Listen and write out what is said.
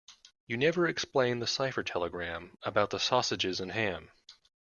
You never explained that cipher telegram about the sausages and ham.